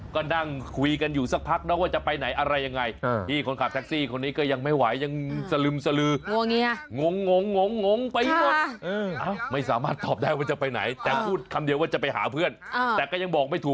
ก็นั่งคุยกันอยู่สักพักแล้วว่าจะไปไหนอะไรยังไง